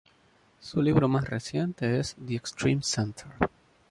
Su libro más reciente es "The extreme centre.